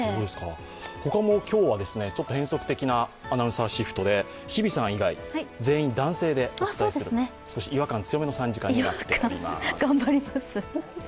他も今日はちょっと変則的なアナウンサーシフトで日比さん以外、全員男性でお伝えするそして違和感強めの３時間となります。